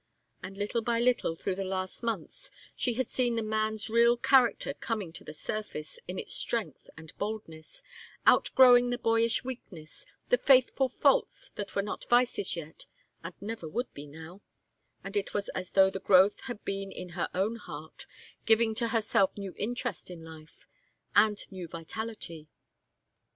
And little by little through the last months she had seen the man's real character coming to the surface in its strength and boldness, outgrowing the boyish weakness, the youthful faults that were not vices yet and never would be now, and it was as though the growth had been in her own heart, giving to herself new interest, new life, and new vitality.